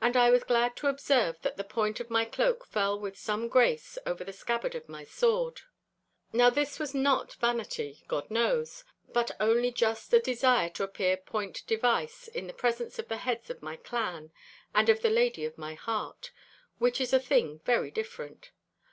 And I was glad to observe that the point of my cloak fell with some grace over the scabbard of my sword. Now this was not vanity, God knows, but only a just desire to appear point device in the presence of the heads of my clan and of the lady of my heart—which is a thing very different.